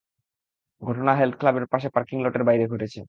ঘটনা হেলথ ক্লাবে পাশে পার্কিং লটের বাইরে ঘটেছে।